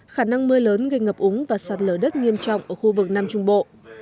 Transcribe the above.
khả năng mưa lớn gây ngập úng và sạt lở đất nghiêm trọng ở khu vực nam trung bộ